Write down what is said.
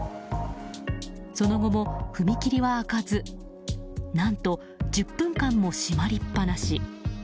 その後も踏切は開かず何と１０分間も締まりっぱなし。